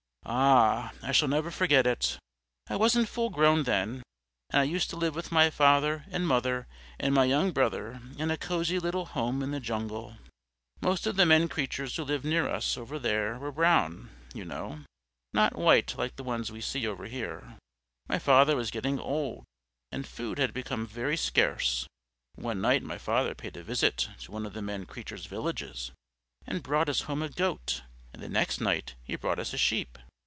Ah, I shall never forget it. I wasn't full grown then, and I used to live with my father and mother and my young brother in a cosy little home in the jungle. Most of the men creatures who lived near us over there were brown, you know, not white like the ones we see over here. My father was getting old, and food had become very scarce. One night my father paid a visit to one of the men creatures' villages and brought us home a goat, and the next night he brought us a sheep.